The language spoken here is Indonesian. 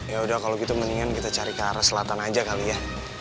yaudah kalo gitu mendingan kita cari ke arah selatan aja kali ya